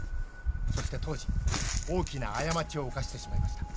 そして当時大きな過ちを犯してしまいました。